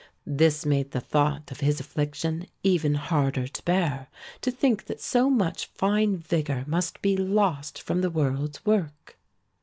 This made the thought of his affliction even harder to bear, to think that so much fine vigor must be lost from the world's work.